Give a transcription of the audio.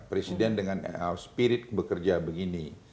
presiden dengan spirit bekerja begini